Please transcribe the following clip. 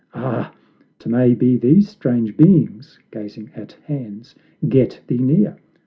Ah! 'trnay be these strange beings (gazing at hands) get thee near!